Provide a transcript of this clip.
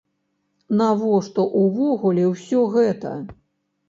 Навошта увогуле ўсё гэта?